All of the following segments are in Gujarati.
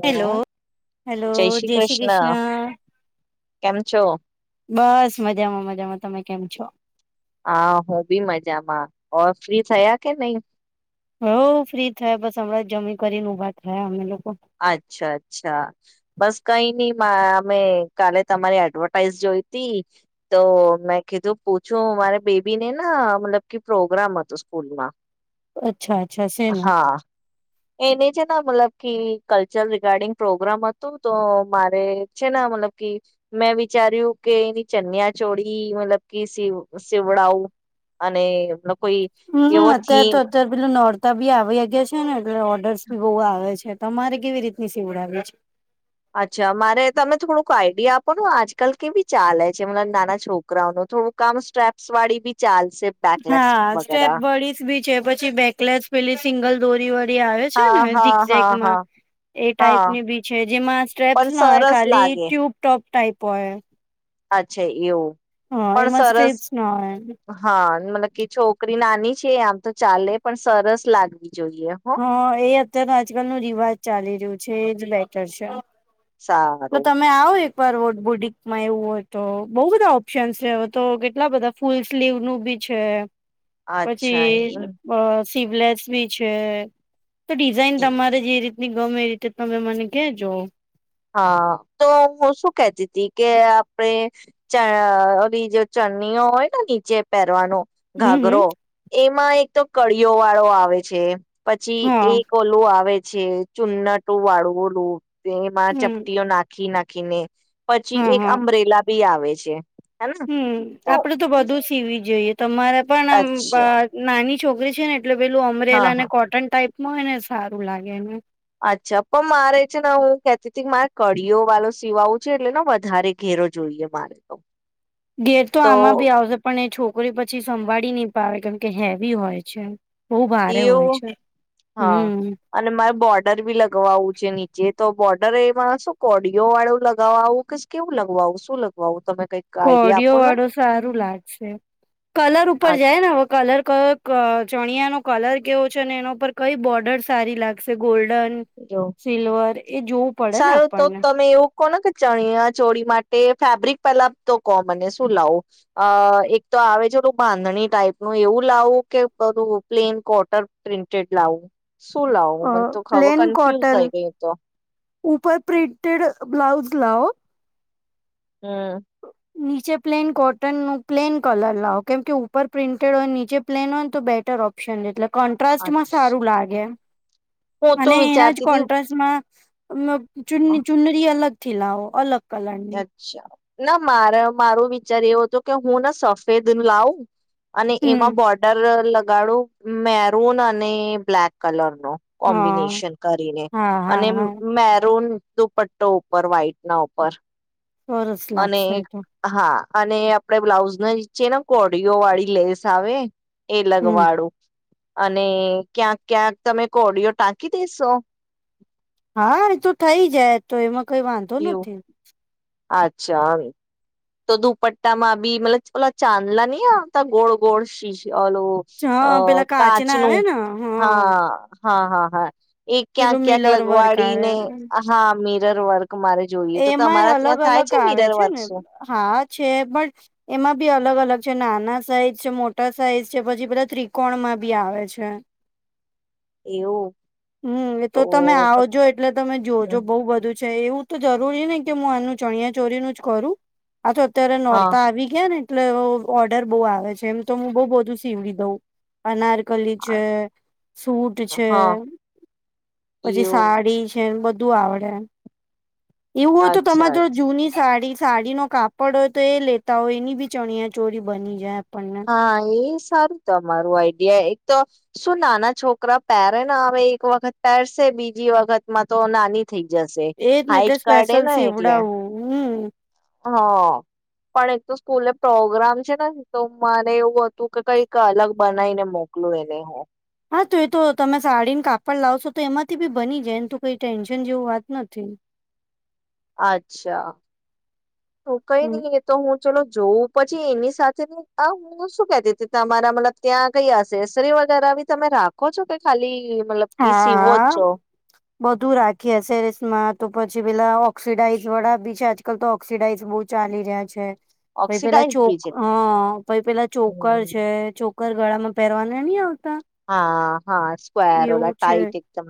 હ હેલો, હેલો જય શ્રી કૃષ્ણ. કેમ છો? બસ મજામાં મજામાં, તમે કેમ છો? ઓ ફ્રી થયા કે નહી? હવ ફ્રી થયા બસ હમણાં જમી કરીને ઉભા થયા અમે અચ્છા અચ્છા બસ કઈ નઈ અમે કાલે તમારી એડવર્ટાઈઝ જોઈ હતી તો મેં કીધું પૂછું મારે બેબી ને ના મતલબ પ્રોગ્રામ હતો સ્કૂલ માં અચ્છા અચ્છા શેનું હા એને છેને મતલબ કેવી કલ્ચર રિગાર્ડિંગ પ્રોગ્રામ હતું તો મારે છે ને મતલબ કે મેં વિચાર્યું કે એની ચન્યા ચોળી મતલબ કે સીવડાવું અને કોઈ હમ એવો અત્યાર થીમ તો અતાર પેલો નોડ તવીયા વહીયા ગયા છે ને એ ઓર્ડર્સ બી બહુ આવે છે તમારે કેવી રીતની સીવડાવી છે અચ્છા મારે તમે થોડુંક આઈડિયા આપો આજકાલ કેવી ચાલે છે મબ નાના છોકરાઓ ન થોડુંક કામ સ્ટ્રેપ્સ વાળી બી ચાલે હા સ્ટેપ બોડી બી જે પછી બેકલેસ પેલી સિંગલ દોરી વ આવે છે ને હા હા હા ઝીકઝેકમાં હા એ હા ટાઈપની બી છે જેમાં સ્ટેપ્સ પણ ના હોય સરસ ખાલી લાગે. ટ્યુબ ટોપ ટાઈપ પણ અચ્છા એવું હા પણ એમાં સરસ સ્ટ્રેપસ ના હોય એ હા મતલબ કે છોકરી નાની છે આમ તો ચાલે પણ સરસ લાગવી જોઈએ હો. હા, એ અત્ય્યારે આજકાલ નું રિવાજ ચાલી રહ્યું છેજ લેટર છે. તો સારું તમે આવો એકવાર વોટ બુડિકમાં એવું હોય તો બઉુ બધા ઓપ્શન છે હવે તો કેટલા બધા ફૂલ સ્લીવ નું બી છે. પછી અચ્છા એમ. અહ સિવલેસ બી છે. હ. તો ડિઝાઇન તમારે જે રીત ની ગમે એ રીતે તમે મને કેજો. હા, તો હું શું કતી હતી કે આપડે ચ અહ નીજે ચરણીઓ હોય ને નીચે પહેરવાનો? હમ હમ ઘાગરો એમ માં એક તો કળીયો વાળો આવે છે. પછી હા એક ઓલું આવે છે ચુન્નટો વાળું ઓલું તો એમાં હમ ચપટીઓ નાખી ના ખીને પછી હા એક હા અમબરેલા બી આવે છે હેને હમ આપડે તો બધું સીવી જોઈએ તમારે પણ આ અચ્છા બ નાની છોકરી છેને એટલે પેલું અમરેલા હા અને હા કોટન ટાઈપ મને એને સારું લાગે ને અચ્છા પણ મારે છે ને હું કેતી હતી મારે કળીઓ વાળો સીવાવુ છે એટલે ને વધારે ઘેરો જોઈએ મારે તો ઘેર તો આમાં ભી આવશે પણ એ છોકરી પછી સંભાળી નહી પાવે કેમ કે હેવી હોય છે બહુ ભારે હોય એવું છે હા હમ અને મારે બોર્ડર બી લગવાવું છે નીચે તો બોર્ડર એમાં શું કોડીઓ વાળું લગાવવા આવું કે કેવું લગાવું શું લગાવું તમે કઈક આઈડિયા આપો કોડિયો ને વાળો સારું લાગશે કલર ઉપર આ જાય ને હવે કલર કયો ચણિયાનો કલર કેવો છે અને એના ઉપર કઈ બોર્ડર સારી લાગશે ગોલ્ડ જો પડે ને સારું તો આપણને. તમે એવું કોને કે ચણીયા ચોડી માટે ફેબ્રિક પેલા તો કો મને શું લાવું અ એક તો આવે છેું બાંધણી ટાઈપ ન એવું લાવું કે બધું પ્લેન કોટન પ્રિન્ટેડ લાવું શું લાવ અ મને તો ખબર પ્લેન કન્ફ્યુઝ કોટન થઈ ગઈ તો ઉપર પ્રિન્ટેડ બ્લાઉઝ લાઓ હમ્મ. નીચે પ્લેન કોટન નું પ્લેન કલર લાવો કેમ કે ઉપર પ્રિન્ટેડ હોય નીચે પ્લેન હોય ને તો બેટર ઓપ્શન એટલે કોન્ટ્રાસમાં અચ્છા સારું લાગે હું તો અને એના જ વિચારતી હતી કોન્ટ્રાસ્ટમાં મ ચૂનની ચૂનરી અલગ થી લાઓ અલગ. કલરની અચ્છા. ના મારે મારો વિચાર એવો હતો કે હું ને સફેદ લાઉ અને એમાં હમ બોર્ડર લ ગાળું મેરૂન અને બ્લેક કલર. નો હા કોમ્બિનેશન કરીને હા હા અને હા મેરૂન દુપટ્ટો ઉપર વ્હાઈટ ના ઉપર. સરસ અને લાગશે એ તો. હા અને આપડે બ્લાઉઝ ના નીચેન કોડીઓ વાળી લેસ આવે એ હમ લગવાળું. અને ક્યાંક ક્યાંક તમે કોડિયો ટાંકી દેેશો? હા એ તો થઈ જાય તો એમાં કઈ વાંધો એવું નથી અચ્છા [inaudible] તો દુપટ્ટા માં બી મતલબ ઓલા ચાંદલા નહી આવતા ગોળ ગોળ શી ઓલું અ હા પેલા કાચ કાચના આવે નું ને હા હા હા હા એ ક્યાંક પેલું ક્યાંક મિલર વર્ક લગવાડી ને આવે હા મીરર વર્ક તમારે જોઈએ તો એમાંય તમારા અલગ ત્યાં થાય અલગ છે આવે મિરર વર્ક ને હા છે પણ એમાં બી અલગ અલગ છે નાના સાઈઝ છે મોટા સાઈઝ છે પછી પેલાા ત્રિકોણ માં બી આવે છે એવું હમ એ તો તમે આવજો એટલે તમે જોજો બઉુ બધું છે એવું તો જરૂરી નઇને કે હું આનું ચણિયા ચોડીનું જ કરું આ તો અત્યારે હા નોરતા આવી ગયા ને એટલે ઓર્ડર બહુ આવે છે એમ તો હું બઉ બધું સીવીડી દઉં અનાર કલી છે સૂટ છે હા પછી એવું સાડી છે બધ બધું આવડે એમ? એવું હોય તો અચ્છા તમારે જો અચ્છા જૂની સાડી સાડીનો કાપડ હોય તો એ લેતા હોય, એની બી ચણિયા ચોરી બની જાય. આપણને હા, એ સારું, તમારું આઈડિયા. એક તો શું નાના છોકરા પહેરે ને હવે એક વખત પહેરસે, બીજી વખતમાં તો નાની થઈ જશે એજ ને એટલે હાઈટ કાઢે સ્પેશલ ને એટલે સીવડાવું હં. હા, પણ એક તો સ્કૂલે પ્રોગ્રામ છે ને તો મને એવું હતું કે, કંઈક અલગ બનાઈને મોકલું એને હું. હા, તો એ તો તમે સાડીન કાપડ લાવશો તો એમાંથી બી બની જાય. એમ તો કઈ ટેન્શન જેવું વાત નથી. અચ્છા! હઉ, કંઈ હમ નઈ એ તો, હું ચલો જોઉં. પછી એની સાથે આ હું શું કેતી તમારા મતલબ ત્યાં કયા અસેસરી વગેરા બી તમે રાખો છો, કે ખાલી મતલબ કી હા સીવો જ હા છો? બધું રાખીએ એસેસરીઝ માં. તો પછી પેલા ઓક્સીિડાઇઝ વાળા બી છે, આજકાલ તો ઓક્સીિડાઇઝ બો ચાલી રહ્યા છે. પછી પેલા ઓક્સિડાઇઝ બી ચોક છે હં, પ પેલા ચોકર હમ, છે, ચો ચોકર ગળામાં પહેરવાના ની આવતા? હા હા સ્ક્વેર એવું ઓલા છે. ટાઈટ એકદમ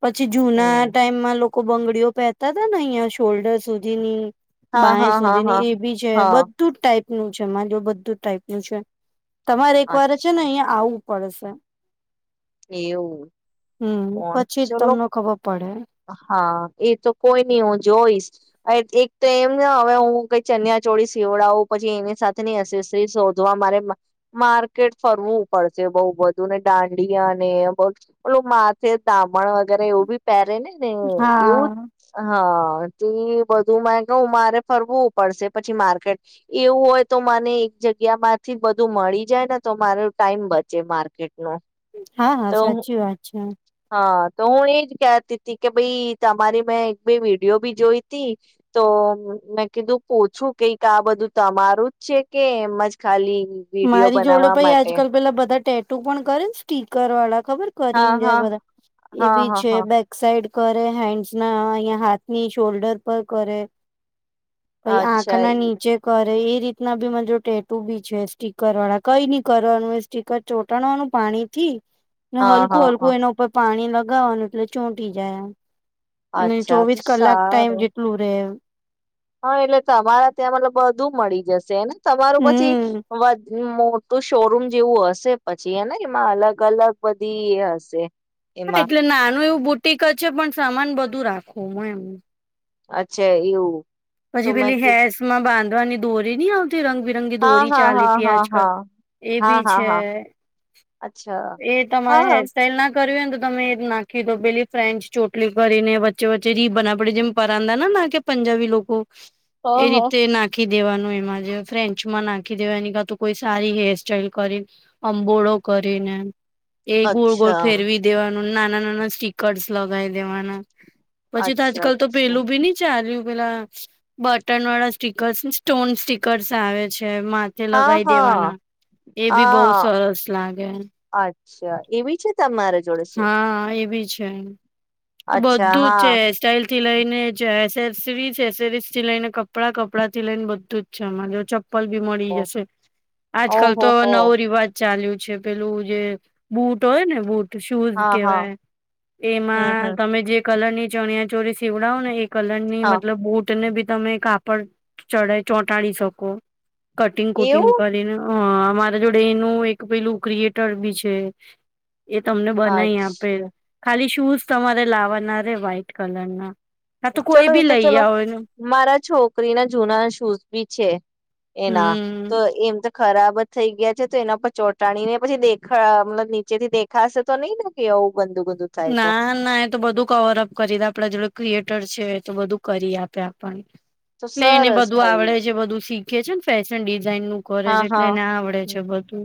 પછી જુના હમ ટાઈમમાં લો કો બંગડીઓ પહેતા હતા ને અહિયાં શોલ્ડર સુધીની, હા બાંય હા હા સુધી ની, હા એ બી છે. હા બધું જ ટાઈપ નું છે મારા જોડે બધું ટાઈપ નું છે. તમારે એક વાર છે ને અચ્છા અહિયા આવું પડશે એવું હમ કોણ પછી જ ચલો તમને ખબર પડે. હા એ તો કોઈ નઈ હું જોઈશ એક તો એમ ને હવે હું ક ચનિયાચોળી સીવડાવું પછી એની સાથે ની એકસિસરીજ શોધવા મારે માર્કેટ ફરવું પડશે બઉ બધું ને ડા ડિયા ને બધુ માથે તામણ વગેરે એવુ બી પેરેને? ને એવું હા જ હા બધું માટે ક મારે ફરવું પડશે પછી માર્કેટ એવું હોય તો મને એક જગ્યા માંથી બધું મળી જાય ને તો મારો ટાઈમ બચે માર્કેટ નો. હા, હા તો હું સાચી વાત છે. હા તો હું એજ કેતી કે ભાઈ તમારી મેં એક બે વિડીયો બી જોઈ તી તો મેં કીધું પૂછું કઈક આ બધું તમારું જ છે કે એમજ ખાલી વિડીયો મારી જોડે બનાવવા પાઈ માટે આજકાલ પેલા બધા ટેટ ટુ પણ કરે ને સ્ટીકર વાળા ખબર હા કરીને જાય હા બધા એ હા બી હા છે. હા બેક સાઈડ કરે હેન્ડસ ના અહિયાં હાથ ની શોલ્ડર પર કરે. પઈ આંખ અચ્છા ના ઈ. નીચે કર એ રીતના બી મારી જોડે ટેટુ બી છે. સ્ટીકર વાળા કઈ નઇ કરવાનું એ સ્ટીકર ચોટાણવાનું પાણી થી હા હલકું હા હા હલકું એના ઉપર પાણી લ ગાવાનું એટલે ચોંટી જાય એ અને અચ્છા તો ચોવીસ કલાક ટાઈમ સારું જેટલું રહે હા એટલે તમારા ત્યાં મતલબ બધું મળી જશે હેને તમારું પછી હમ. વધ મોટું શોરૂમ જેવું હશે પછી એને એમાં અલગ અલગ બધી એ હશે હા એમાં એટલે નાનું એવું બુટ ટીક જ છે પણ સામાન બધું રાખું હું એમ અચ્છા એવું તો પછી મેં પેલી કીધું હૈર્સમાં બાંધ દની દોરી નથી આવતી રંગબિરંગી હા દોરી હા ચાલી હા હતી હા આજકાલ હા એ હા બી હા છે હા અચ્છા એ તમારે હા હ હેરસ્ટાાઈલ ના કર્યું ને તો તમે એ નાખી દો પેલી ફ્રેન્ચ ચોટલી કરીને વચ્ચે વચ્ચે રી બના પડી જેમ પ પરંદા ને ના કે પંજાબી લોકો એ હ રીતે નાખી દેવાનું એમાં જે ફ્રેન્ચ માં નાખી દેવાની કાતો કોઈ સારી હેર સાઈલ કરીને અંબોડો કરીને એ ગોલ ગોલ અચ્છા ફેરવી દેવા નાના નાના સ્ટિકરસ લગાવી દેવાના પછી તો અચ્છા આજકાલ તો અચ્છા પેલું બી નહી ચાલ્યું પેલા બટન વાળા સ્ટીકર્સ સ્ટોન સ્ટીકર્સ આવે છે. છે માથે હા લગાઈ હા દેવાના એ બી બવ હા સરસ લાગે. અચ્છા એવી છે તમારા જોડે શું હા એ બી છે. અચ્છા બધું હા છે સાઈલ થી લઈને જે એસેસરીસ એરીસ થી લઈને કપડાં કપડાં થી લઈને બધું જ છે અમર જો પલ ભી મળી ઓ જશે. આજ કલ તો ઓહો હો નવો રિવાજ ચાલ્યું. છે પેલું જે બુટ હોય ને બુટ શૂઝ હા હા કેહેવાય હમ એમાં હમ તમે જે કલરની ચણ્યા ચોડી સીવડાવો ને એક કલરની હા મતલબ બૂટ ને બી તમે કાપડ ચડાઈ ચોંટાડી શકો. કટિંગ કુટિંગ એવું કરીને. હા, અમારા જોડે એનું એક પેલું ક્રિએટર બી છે. એ તમને બનાઈ આપે અચ્છા ખાલી શૂઝ તમારે લાવાના રે વ્હાઈટ કલર ના. હા તો કોઈ ચલો બી એ તો લઈ ચલો. આવો એને મારા છોકરીના જૂના શૂઝ ભી છે. એના હમ તો એમ તો ખરાબ. બંધ થઈ ગયા છે, તો એના પર ચોંટાડી ને પછી દેખાય? મતલબ નીચે થી દેખાશે તો નહીં, ના કે આવું? ગંદુ ગંદુ થાય તો ના ના, એ તો બધું કવરઅપ કરી દેશે. આપડા જોડે ક્રિએટર. છે તો બધું કરી આપે આપણને. તો એટલે જ એને સરસ બધું પઈ આવડે છે, બધું શીખ. એ છેન ફેશન [unintelligible] ડિઝાઇન નું કરે હા છે એટલે હા એને આવડે છે. બધું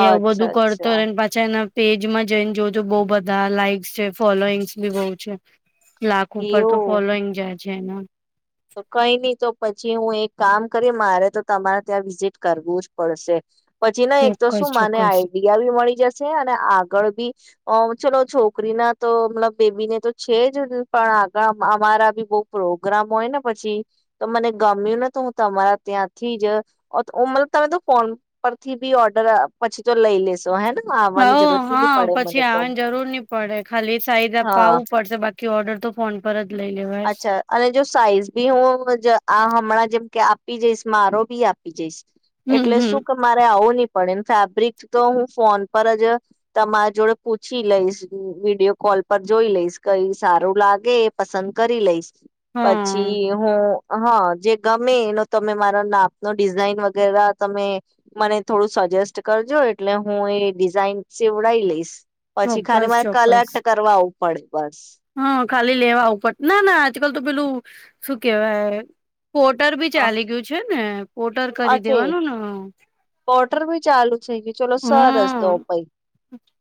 એ આવું બધું અચ્છા કરતો અચ્છા રેને પાછા એના. પેજમાં જોઈ ને જોજો, બહું બધું. બધા લાઈક્સ છે, ફોલોઈંગ્સ બી બઉુ છે. લાખ ઉપર તો એવું ફોલોઈંગ જાય છે એના. તો કંઈ નહીં, તો પછી હું એક કામ કરી. મારે તો તમારે ત્યાં વિઝિટ કરવું જ પડશે. પછી ના એક તો ચોક્કસ શું મને ચોક્કસ આઈડિયા બી મળી જશે અને આગળ બી ચલો. છોકરી ના તો મતલબ બેબી ને તો છે જ ને, પણ આગળ અમારા બી બહુ પ્રોગ્રામ હોય ને. પછી તો મને ગમ્યું ને, તો હું તમારા ત્યાંથી જ. મતલબ તમે તો ફોન પરથી બી ઓર્ડર પછી તો લઈ લેશો. હે ને હ આવવાની જરૂરત બી નહી હા, પડે મને પછી આવે તો ને, જરૂર નહીં પડે. ખાલી સાઈઝ હા અપાવું પડશે. કે ઓર્ડર તો ફોન પર. લઈ લેવા. અચ્છા અને જો સાઈઝ બી હું આ જે હમણાં જેમ કે આપી જઈશ, મારો બી આપી જઈશ. હમ એટલે શું હમ કે મારે આવો નહીં? પણ એને ફેબ્રિક તો હું ફોન પર જ તમારા જોડે પૂછી લઈશ, વિડીયો કોલ પર જોઈ લઈશ. કંઈ સારું લાગે એ પસંદ. કરી લઈશ. હા પછી હું. હા, જે ગમે એનો તમે મારા નાપ નો ડિઝાઇન વગેરે તમે મને થોડું સજેસ્ટ કરજો. એટલે હું એ ડિઝાઇન સીવડાવી લઈશ. પછી ખાલી ચોક્કસ મારે ચોક્કસ કલેક્ટ કરવા આવું. પડે. બસ. હા ખાલી લેવા આવું પડે ના ના આજકાલ તો પેલું શું કહેવાય અરે? પોર્ટર બી ચાલી ગયું છે ને હવે? પોર્ટર કરી દેવાનું ને? પોર્ટર બીચાલુ. થઈ ગઈ, ચલો સરસ. તો હમ પાઈ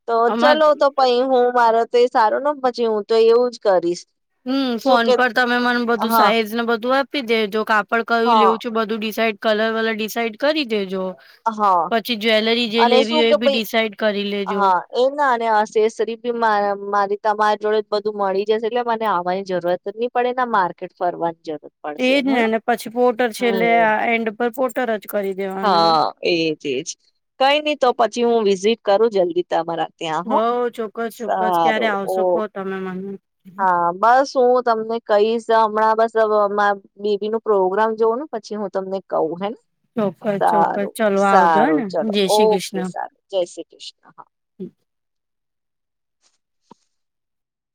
તો અમાર ચલો તો પઈ હું મારે. [inaudible] તો એ સારું, ને? પછી હું તો એવું જ કરીશ. હમ શું ફોન કે પર તમે મને બધું હા સાઈઝ ને બધું આપી દે જો કાપડ કયું હા લેવું છું બધું ડિસાઇડ કલર વલર ડિસાઇડ કરી દેજો હા પછી જ્વેલરી જે અને લેવી શું હોય કે એ બી ભાઈ ડિસાઇડ કરી લેજો હા એ ના અને એસેસરીજ ભી મારી તમારી જોડે જ બધું મળી જશે એટલે મને આવવાની જરૂર જ નહી પડે ને માર્કેટ ફરવાની જરૂર એજ ને પછી પોર્ટર છેલ્લે હમ આ એન્ડ પપોર્ર્ટર જ કરી દેવાનું હા એજ એજ કઈ નહી તો પછી હું વિઝિટ કરું જલ્દી તમારા ત્યાં હો હવ ચોક્કસ ચોક્કસ ક્યારે સારું આવશોકો ઓકે તમે મને હા બસ હું તમને કઈશ હમણાં બસ માર બેબીનું પ્રોગ્રામ જોવુ ને પછી હું તમને કહું હે ને ચોક્કસ ચોક્કસ સારું ચલો આવજો સારું હેને ચલો જય શ્રી ઓકે કૃષ્ણ. સારું જય શ્રી કૃષ્ણ હા